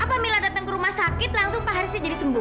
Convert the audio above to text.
apa mila datang ke rumah sakit langsung pak haris jadi sembuh